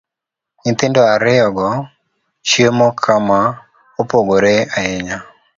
Nyithindo ariyo go chiemo kama opogore ahinya,